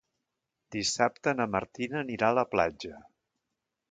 Dissabte na Martina anirà a la platja.